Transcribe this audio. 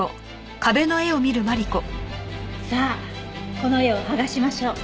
この絵を剥がしましょう。